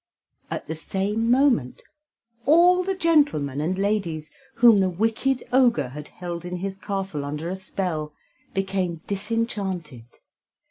At the same moment all the gentlemen and ladies whom the wicked Ogre had held in his castle under a spell, became disenchanted.